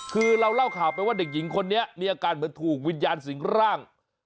คือเราเล่าข่าวไปว่าเด็กหญิงคนนี้มีอาการเหมือนถูกวิญญาณสิงร่าง